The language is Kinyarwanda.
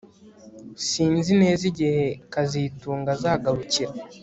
Sinzi neza igihe kazitunga azagarukira